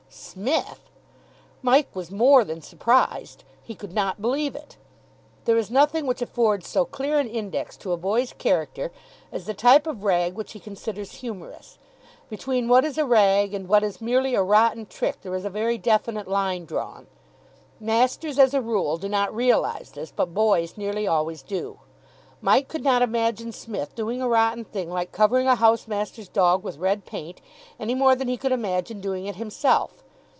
Psmith! Mike was more than surprised. He could not believe it. There is nothing which affords so clear an index to a boy's character as the type of rag which he considers humorous. Between what is a rag and what is merely a rotten trick there is a very definite line drawn. Masters, as a rule, do not realise this, but boys nearly always do. Mike could not imagine Psmith doing a rotten thing like covering a housemaster's dog with red paint, any more than he could imagine doing it himself.